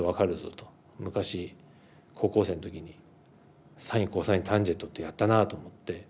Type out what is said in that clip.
昔高校生の時にサインコサインタンジェントってやったなぁと思って。